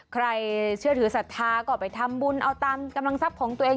ใครเชื่อถือศรัทธาก็ไปทำบุญเอาตามกำลังทรัพย์ของตัวเอง